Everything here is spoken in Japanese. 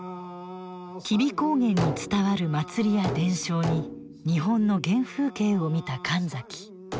吉備高原に伝わる祭りや伝承に日本の原風景を見た神崎。